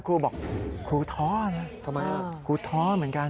ครูบอกครูท้อนะครูท้อเหมือนกัน